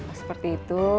oh seperti itu